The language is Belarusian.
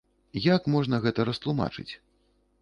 Як можна гэта растлумачыць?